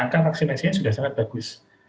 angka vaksinasinya sudah sangat bagus